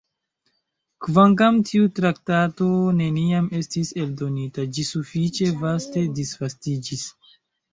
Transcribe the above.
Kvankam tiu traktato neniam estis eldonita, ĝi sufiĉe vaste disvastiĝis.